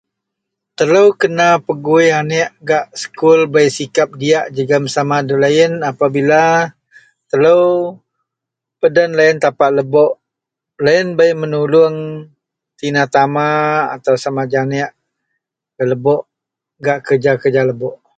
telou kena pegui aneak gak sekul bei sikap diyak jegum sama deloyien apabila telou peden tapak lebok, loyien bei menulung, tina tama atau sama janek gak lebok gak kerja kerja lebok